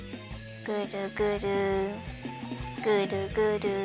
ぐるぐるぐるぐる！